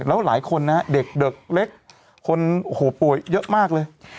แล้วหลายคนนะฮะเด็กเล็กคนโอ้โหป่วยเยอะมากเลย